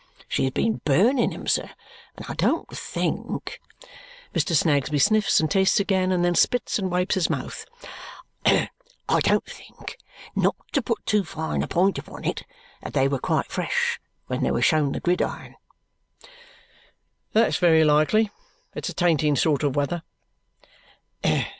She has been burning 'em, sir! And I don't think" Mr. Snagsby sniffs and tastes again and then spits and wipes his mouth "I don't think not to put too fine a point upon it that they were quite fresh when they were shown the gridiron." "That's very likely. It's a tainting sort of weather."